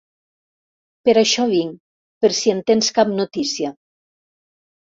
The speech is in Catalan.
Per això vinc, per si en tens cap notícia.